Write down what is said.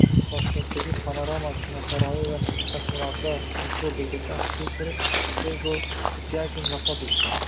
Toshkentdagi “Panorama” kinosaroyi va “Kosmonavtlar” metro bekati arxitektori Sergo Sutyagin vafot etdi